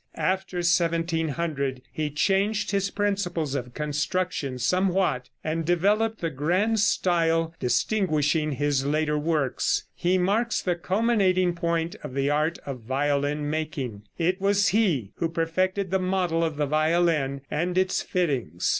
After 1700 he changed his principles of construction somewhat, and developed the grand style distinguishing his later works. He marks the culminating point of the art of violin making. It was he who perfected the model of the violin and its fittings.